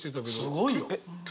すごいよ！